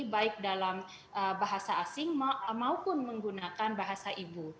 baik dalam bahasa asing maupun menggunakan bahasa ibu